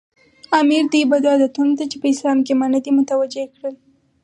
امیر دوی بدو عادتونو ته چې په اسلام کې منع دي متوجه کړل.